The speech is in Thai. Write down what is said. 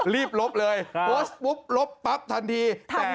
ลบเลยโพสต์ปุ๊บลบปั๊บทันที